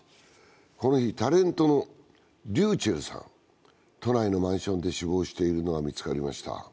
この日、タレントのｒｙｕｃｈｅｌｌさん、都内のマンションで死亡しているのが見つかりました。